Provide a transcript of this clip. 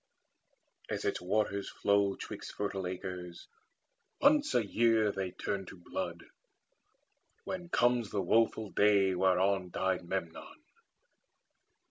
As its waters flow 'Twixt fertile acres, once a year they turn To blood, when comes the woeful day whereon Died Memnon.